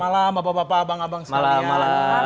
selamat malam bapak bapak bang abang sekalian